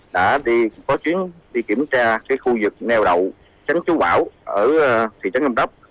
đã đi có chuyến đi kiểm tra cái khu vực neo đậu tránh chú bão ở thị trấn sông đốc